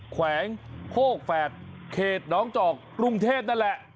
แขวงโคกแฝดเขตน้องจอกกรุงเทพนั่นแหละ